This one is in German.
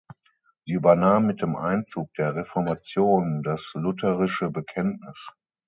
Sie übernahm mit dem Einzug der Reformation das lutherische Bekenntnis.